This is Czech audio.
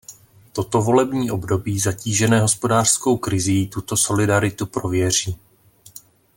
Toto volební období zatížené hospodářskou krizí tuto solidaritu prověří.